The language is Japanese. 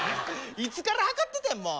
いつから測ってたんやもう。